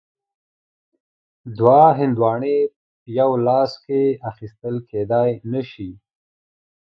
دوه هندواڼې یو لاس کې اخیستل کیدای نه شي.